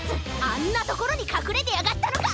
あんなところにかくれてやがったのか！